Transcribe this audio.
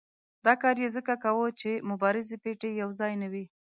دا کار یې ځکه کاوه چې مبارزې پېټی یو ځای نه وي.